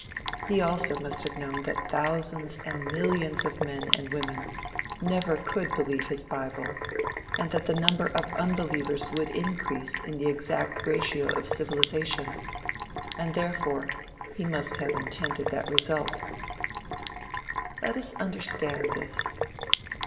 He also must have known that thousands and millions of men and women never could believe his bible, and that the number of unbelievers would increase in the exact ratio of civilization, and therefore, he must have intended that result. Let us understand this.